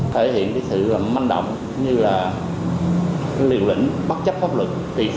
thể hiện cái sự manh động như là liều lĩnh bất chấp pháp luật